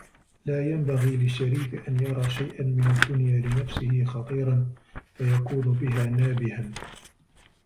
لَا يَنْبَغِي لِلشَّرِيفِ أَنْ يَرَى شَيْئًا مِنْ الدُّنْيَا لِنَفْسِهِ خَطِيرًا فَيَكُونُ بِهَا نَابِهًا